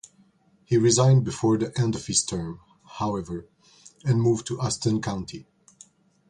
He resigned before the end of his term, however, and moved to Austin County.